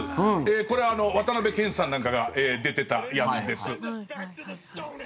これは渡辺謙さんなんかが出てたやつです。